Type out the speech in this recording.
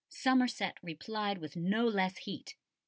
] Somerset replied with no less heat.